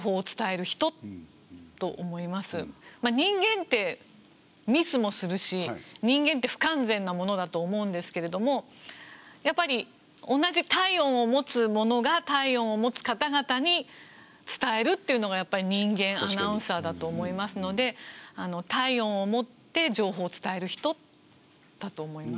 人間ってミスもするし人間って不完全なものだと思うんですけれどもやっぱり同じ体温を持つ者が体温を持つ方々に伝えるっていうのがやっぱり人間アナウンサーだと思いますので体温を持って情報を伝える人だと思います。